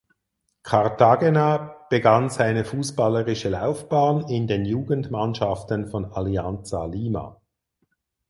Cartagena begann seine fußballerische Laufbahn in den Jugendmannschaften von Alianza Lima.